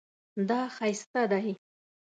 دا ښایسته دی